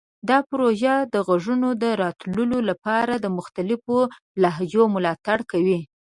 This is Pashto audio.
دا پروژه د غږونو د راټولولو لپاره د مختلفو لهجو ملاتړ کوي.